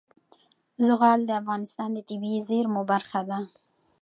زغال د افغانستان د طبیعي زیرمو برخه ده.